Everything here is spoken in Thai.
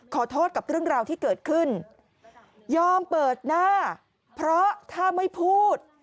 ขอโทษกับเรื่องราวที่เกิดขึ้นยอมเปิดหน้าเพราะถ้าไม่พูด